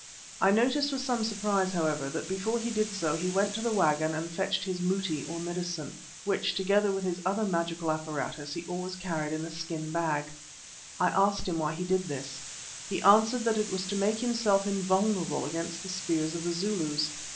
I noticed with some surprise, however, that before he did so he went to the waggon and fetched his "mouti," or medicine, which, together with his other magical apparatus, he always carried in a skin bag. I asked him why he did this. He answered that it was to make himself invulnerable against the spears of the Zulus.